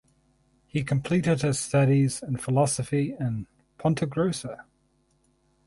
He completed his studies in philosophy in Ponta Grossa.